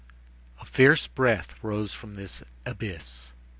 A fierce breath rose from this abyss.